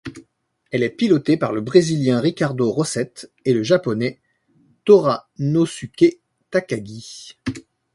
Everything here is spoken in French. Elle est pilotée par le Brésilien Ricardo Rosset et le Japonais Toranosuke Takagi.